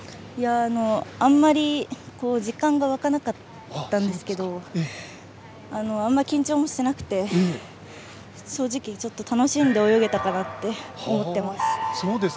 あまり、実感が湧かなかったんですけどあんまり緊張もしなくて正直ちょっと楽しんで泳げたかなって思っています。